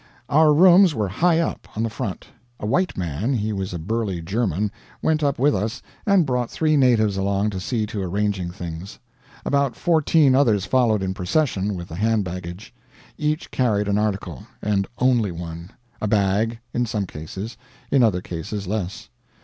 Our rooms were high up, on the front. A white man he was a burly German went up with us, and brought three natives along to see to arranging things. About fourteen others followed in procession, with the hand baggage; each carried an article and only one; a bag, in some cases, in other cases less.